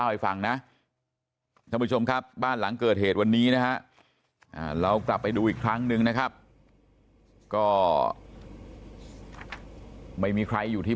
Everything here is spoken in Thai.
วันนี้นะเรากลับไปดูอีกครั้งนึงนะครับก็ไม่มีใครอยู่ที่